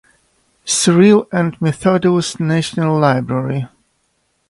Cyril and Methodius National Library.